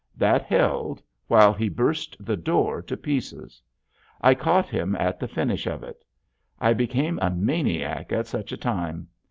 That held while he burst the door to pieces. I caught him at the finish of it; I become a maniac at such a time.